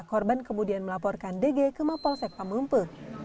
korban kemudian melaporkan dg ke mapolsek pamumpe